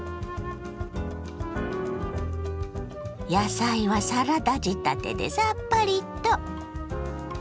野菜はサラダ仕立てでさっぱりと。